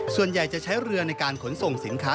ส่วนใหญ่จะใช้เรือในการขนส่งสินค้า